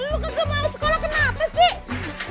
lu kagak mau sekolah kenapa sih